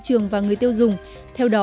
trong cuộc sống ngày hôm